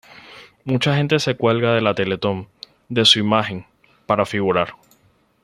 Mucha gente se cuelga de la Teletón, de su imagen, para figurar.